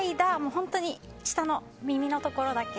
本当に下の耳のところだけ。